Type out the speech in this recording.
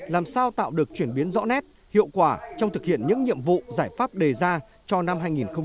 làm sao tạo được chuyển biến rõ nét hiệu quả trong thực hiện những nhiệm vụ giải pháp đề ra cho năm hai nghìn hai mươi